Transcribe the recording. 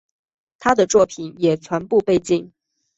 他的作品也全部被禁。